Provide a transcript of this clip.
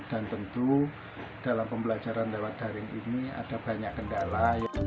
dan tentu dalam pembelajaran lewat daring ini ada banyak kendala